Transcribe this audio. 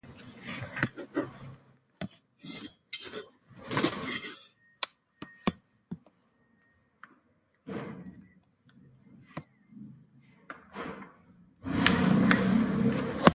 هغه باروړونکی موټر په کوم با اعتباره تجارتي شرکت کې ثبت کړی و.